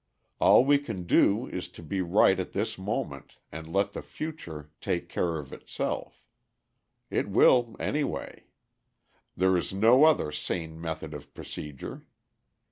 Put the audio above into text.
All we can do is to be right at this moment and let the future take care of itself; it will anyway. There is no other sane method of procedure.